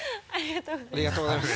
ありがとうございます。